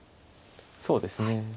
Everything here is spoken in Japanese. そうですね。